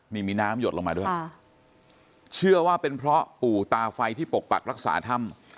นี่มีน้ำหยดลงมาด้วยเชื่อว่าเป็นเพราะปู่ตาไฟที่ปกปักรักษาถ้ำ